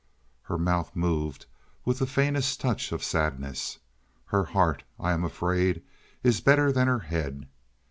Her mouth moved with the faintest touch of sadness. "Her heart, I am afraid, is better than her head.